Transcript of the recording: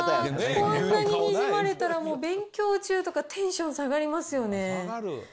こんなににじまれたら、もう、勉強中とかテンション下がりますよね。